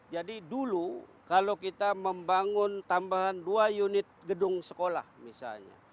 jadi dulu kalau kita membangun tambahan dua unit gedung sekolah misalnya